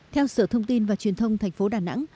theo sở thông tin và truyền thông thành phố đà nẵng